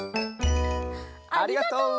ありがとう！